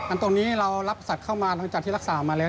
อันนี้เรารับสัตว์เข้ามาหลังจากที่รักษามาแล้ว